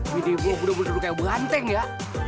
bini gue udah boleh duduk kayak beranteng ya